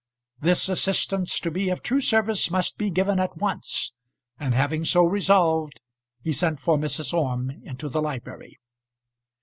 This assistance to be of true service must be given at once; and having so resolved he sent for Mrs. Orme into the library.